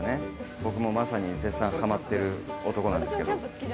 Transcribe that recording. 僕もまさに絶賛ハマってる男なんですけど。